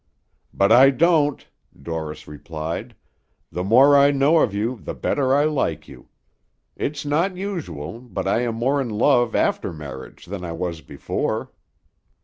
"But I don't," Dorris replied. "The more I know of you the better I like you. It's not usual, but I am more in love after marriage than I was before."